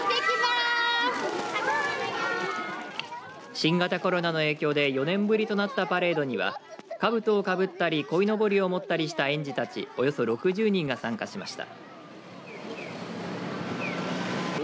新型コロナの影響で４年ぶりとなったパレードにはかぶとを被ったりこいのぼりを持ったりした園児たちおよそ６０人が参加しました。